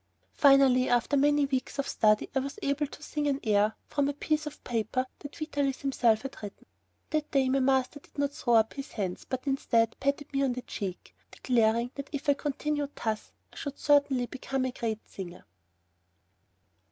Finally, after many weeks of study, I was able to sing an air from a piece of paper that Vitalis himself had written. That day my master did not throw up his hands, but instead, patted me on the cheek, declaring that if I continued thus I should certainly become a great singer.